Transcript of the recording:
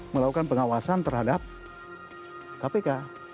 melakukan pengawasan terhadap kpk